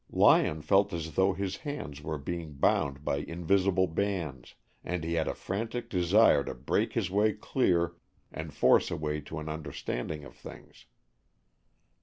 Lyon felt as though his hands were being bound by invisible bands, and he had a frantic desire to break his way clear and force a way to an understanding of things.